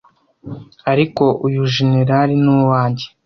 ariko uyu jenerali ni uwanjye